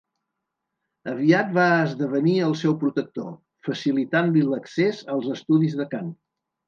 Aviat va esdevenir el seu protector, facilitant-li l'accés als estudis de cant.